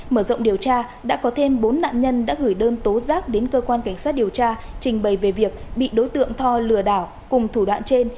mở rộng điều tra đã có thêm bốn nạn nhân đã gửi đơn tố giác đến cơ quan cảnh sát điều tra trình bày về việc bị đối tượng tho lừa đảo cùng thủ đoạn trên